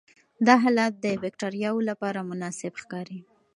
دا حالت د باکټریاوو لپاره مناسب ښکاري.